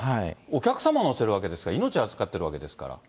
お客様を乗せるわけですから、命預かってるわけですから。